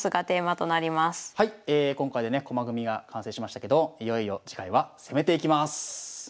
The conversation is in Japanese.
今回でね駒組みが完成しましたけどもいよいよ次回は攻めていきます。